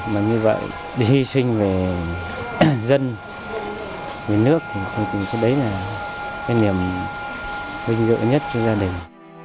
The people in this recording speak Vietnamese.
mà như vậy đi sinh về dân về nước thì tôi tưởng cái đấy là cái niềm vinh dự nhất cho gia đình